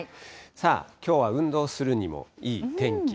さあ、きょうは運動するにもいい天気。